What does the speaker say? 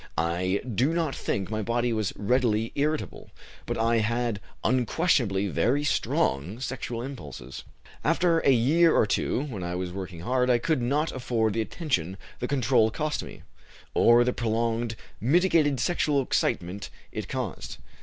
I do not think my body was readily irritable, but I had unquestionably very strong sexual impulses. "After a year or two, when I was working hard, I could not afford the attention the control cost me, or the prolonged mitigated sexual excitement it caused.